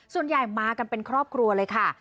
ส่วนใหญ่มากันเป็นครอบครัวเลยค่ะ